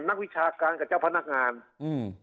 นักวิชาการกับเจ้าพนักงานอืม